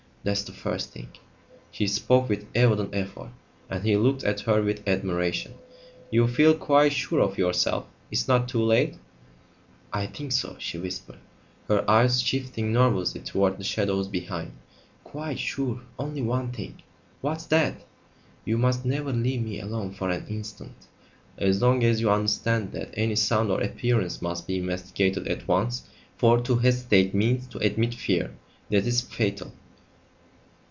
That's the first thing." She spoke with evident effort, and he looked at her with admiration. "You feel quite sure of yourself? It's not too late " "I think so," she whispered, her eyes shifting nervously toward the shadows behind. "Quite sure, only one thing " "What's that?" "You must never leave me alone for an instant." "As long as you understand that any sound or appearance must be investigated at once, for to hesitate means to admit fear. That is fatal."